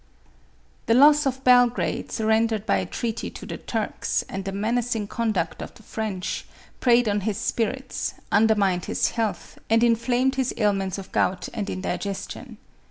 The loss of Belgrade, surrendered by a treaty to the Turks, and the menacing conduct of the French, preyed on his spirits, undermined his health, and inflamed his ail ments of gout and indigestion.